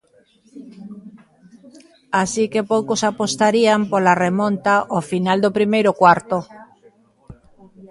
Así que poucos apostarían pola remonta ao final do primeiro cuarto.